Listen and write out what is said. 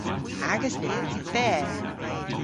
Agas lyver yw berr.